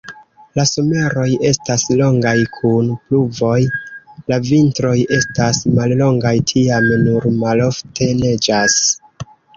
La someroj estas longaj kun pluvoj, la vintroj estas mallongaj, tiam nur malofte neĝas.